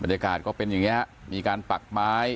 ยากาศก็เป็นอย่างนี้ฮะมีการปักไม้